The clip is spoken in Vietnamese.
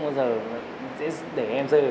em xin lỗi